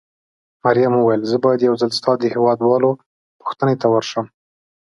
مريم وویل: زه باید یو ځل ستا د هېواد والاو پوښتنې ته ورشم.